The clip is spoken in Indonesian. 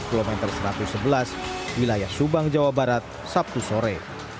kilometer satu ratus sebelas wilayah subang jawa barat sabtu sore